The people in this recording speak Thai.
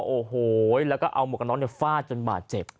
โอ้โหแล้วก็เอาหมวกกันน็อกฟาดจนบาดเจ็บ